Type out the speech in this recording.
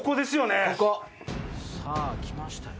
さぁ来ましたよ。